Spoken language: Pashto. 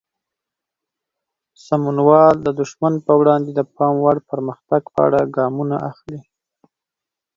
سمونوال د دښمن پر وړاندې د پام وړ پرمختګ په اړه ګامونه اخلي.